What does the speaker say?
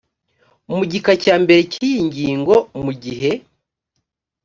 mu gika cya mbere cy iyi ngingo mu gihe